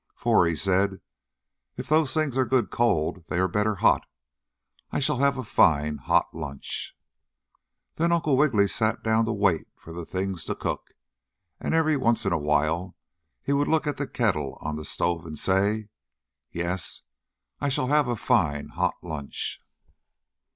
"For," said he, "if those things are good cold they are better hot. I shall have a fine hot lunch." Then Uncle Wiggily sat down to wait for the things to cook, and every once in a while he would look at the kettle on the stove and say: "Yes, I shall have a fine, hot lunch!"